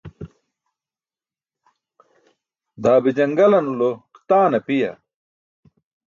Daa be jaṅgalanulo taan apiya?